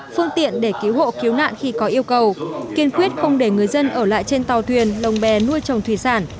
phương tiện để cứu hộ cứu nạn khi có yêu cầu kiên quyết không để người dân ở lại trên tàu thuyền lồng bè nuôi trồng thủy sản